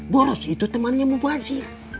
boros itu temannya mubazir